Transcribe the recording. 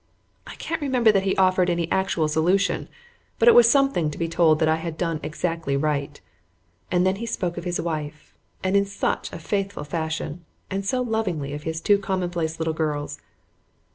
I can't remember that he offered any actual solution, but it was something to be told that I had done exactly right. And then he spoke of his wife, and in such a faithful fashion, and so lovingly of his two commonplace little girls.